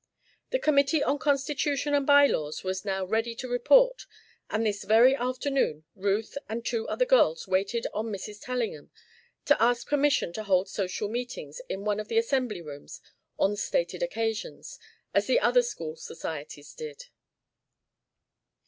The committee on constitution and by laws was now ready to report and this very afternoon Ruth and two other girls waited on Mrs. Tellingham to ask permission to hold social meetings in one of the assembly rooms on stated occasions, as the other school societies did.